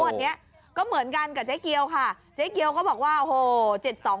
วันนี้ก็เหมือนกันกับเจ๊เกียวค่ะเจ๊เกียวก็บอกว่าโอ้โห